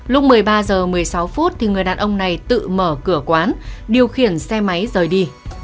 lúc một mươi ba h một mươi sáu phút người đàn ông này tự mở cửa quán điều khiển xe máy rời đi